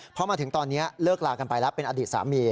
พอมาถึงตอนนี้เลิกลากันไปแล้วเป็นอดีตสามี